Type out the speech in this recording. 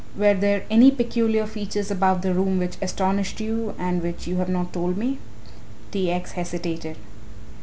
"Were there any peculiar features about the room which astonished you, and which you have not told me?" T. X. hesitated.